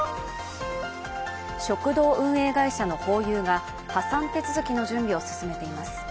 食堂運営会社のホーユーが破産手続きの準備を進めています。